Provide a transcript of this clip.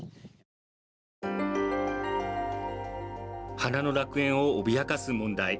花の楽園を脅かす問題。